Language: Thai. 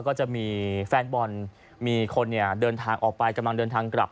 ก็จะมีแฟนบอลมีคนเดินทางออกไปกำลังเดินทางกลับ